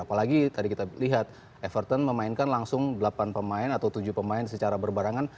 apalagi tadi kita lihat everton memainkan langsung delapan pemain atau tujuh pemain secara berbarangan